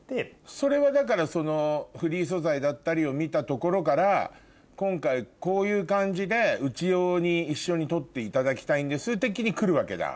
それはだからフリー素材だったりを見たところから今回こういう感じでうち用に一緒に撮っていただきたいんです的に来るわけだ？